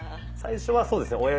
最初はそうですね